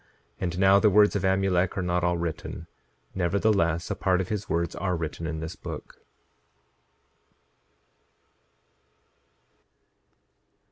And now the words of Amulek are not all written, nevertheless a part of his words are written in this book.